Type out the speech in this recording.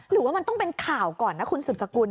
หรือว่ามันต้องเป็นข่าวก่อนนะคุณสืบสกุล